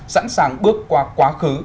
sẵn sàng bước qua quá khứ